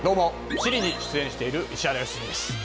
「地理」に出演している石原良純です。